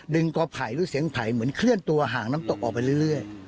กอไผ่หรือเสียงไผ่เหมือนเคลื่อนตัวห่างน้ำตกออกไปเรื่อย